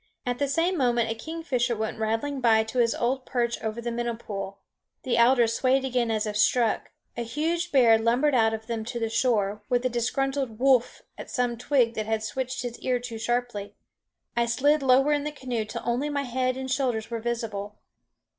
At the same moment a kingfisher went rattling by to his old perch over the minnow pool. The alders swayed again as if struck; a huge bear lumbered out of them to the shore, with a disgruntled woof! at some twig that had switched his ear too sharply. I slid lower in the canoe till only my head and shoulders were visible.